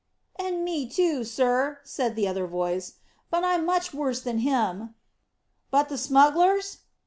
"And me too, sir," said the other voice. "But, I'm much worse than him." "But the smugglers?"